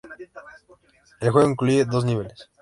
El juego incluye dos niveles.